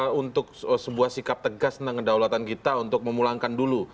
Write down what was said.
kita untuk sebuah sikap tegas tentang kedaulatan kita untuk memulangkan dulu